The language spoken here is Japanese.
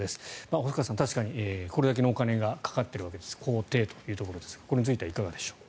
細川さん、確かにこれだけのお金がかかっている公邸というところですがこれについてはいかがでしょう。